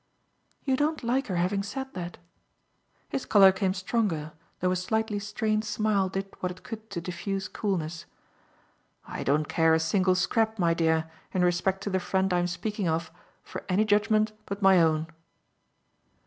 "You don't like her having said that." His colour came stronger, though a slightly strained smile did what it could to diffuse coolness. "I don't care a single scrap, my dear, in respect to the friend I'm speaking of, for any judgement but my own."